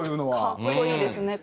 格好いいですね。